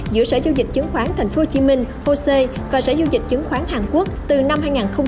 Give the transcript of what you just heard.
giữa sở giao dịch chứng khoán tp hcm và sở giao dịch chứng khoán hàn quốc từ năm hai nghìn một mươi hai